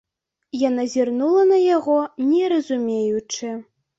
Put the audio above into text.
Яна зірнула на яго, не разумеючы.